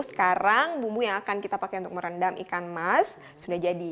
sekarang bumbu yang akan kita pakai untuk merendam ikan emas sudah jadi